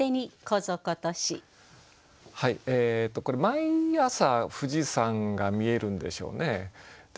これ毎朝富士山が見えるんでしょうね。